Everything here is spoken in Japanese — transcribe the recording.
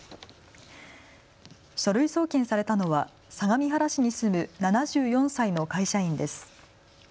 書類送検されたのは相模原市に住む７４歳の会社員です。